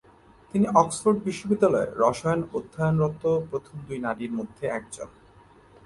তিনি অক্সফোর্ড বিশ্ববিদ্যালয়ে রসায়ন অধ্যয়নরত প্রথম দুই নারীর মধ্যে একজন।